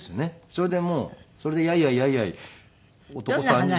それでもうそれでやいやいやいやい男３人で。